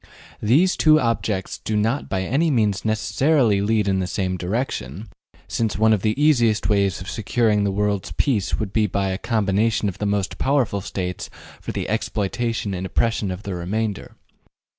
These two objects do not by any means necessarily lead in the same direction, since one of the easiest ways of securing the world's peace would be by a combination of the most powerful States for the exploitation and oppression of the remainder.